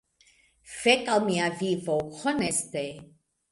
Fek al mia vivo, honeste!